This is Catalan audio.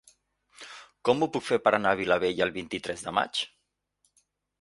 Com ho puc fer per anar a Vilabella el vint-i-tres de maig?